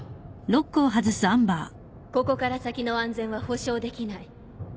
ここから先の安全は保証できない。